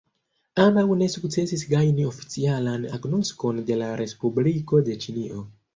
Ambaŭ ne sukcesis gajni oficialan agnoskon de la respubliko de Ĉinio.